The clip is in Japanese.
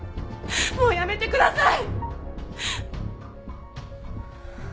もうやめてください！